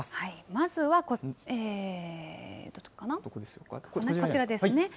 まずは、こちらですね。